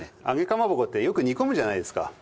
揚げかまぼこってよく煮込むじゃないですか。